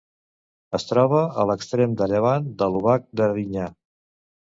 Es troba a l'extrem de llevant de l'Obac d'Erinyà.